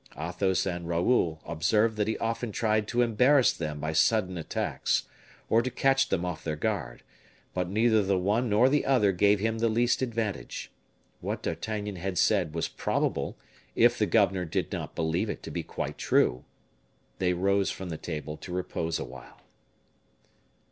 Athos and Raoul observed that he often tried to embarrass them by sudden attacks, or to catch them off their guard; but neither the one nor the other gave him the least advantage. What D'Artagnan had said was probable, if the governor did not believe it to be quite true. They rose from the table to repose awhile.